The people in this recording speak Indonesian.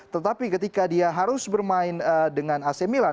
tetapi ketika dia harus bermain dengan ac milan